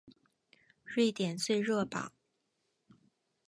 瑞典最热榜。